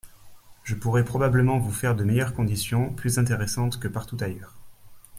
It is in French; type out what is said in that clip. Je pourrai probablement vous faire de meilleures conditions, plus intéressantes que partout ailleurs.